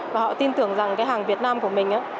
và họ tin tưởng rằng cái hàng việt nam của mình